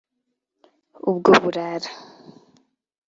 ubwo burara